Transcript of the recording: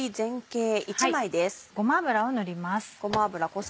ごま油を塗ります。